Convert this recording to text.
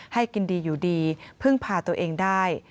ให้กินดีอยู่ดีพึ่งพาตัวเองได้